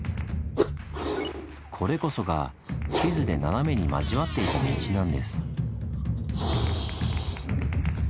これこそが地図で斜めに交わっていた道なんです。